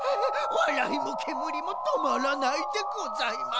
わらいもけむりもとまらないでございます。